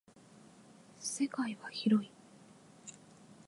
世界は広い。